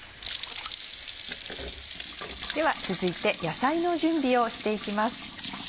では続いて野菜の準備をしていきます。